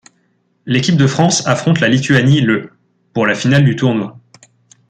L'équipe de France affronte la Lituanie le pour la finale du tournoi.